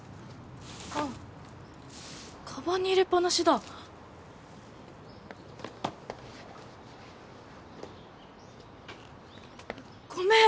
あカバンに入れっぱなしだごめん